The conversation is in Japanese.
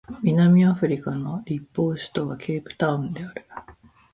南アフリカの立法首都はケープタウンである